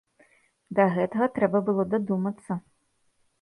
Да гэтага трэба было дадумацца.